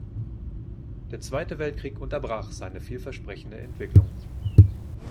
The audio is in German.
Der Zweite Weltkrieg unterbrach seine vielversprechende Entwicklung.